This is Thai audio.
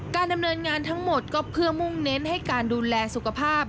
การดำเนินงานทั้งหมดก็เพื่อมุ่งเน้นให้การดูแลสุขภาพ